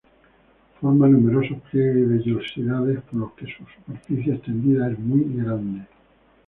Forma numerosos pliegues y vellosidades, por lo que su superficie extendida es muy grande.